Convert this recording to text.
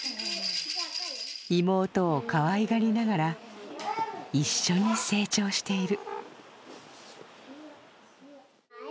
妹をかわいがりながら一緒に成長している。